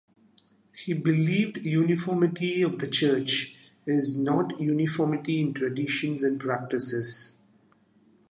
He believed uniformity of the Church is not uniformity in traditions and practices.